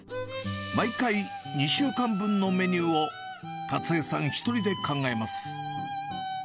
毎回２週間分のメニューを、加津江さん１人で考えます。